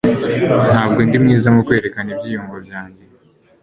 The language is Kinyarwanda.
Ntabwo ndi mwiza mu kwerekana ibyiyumvo byanjye.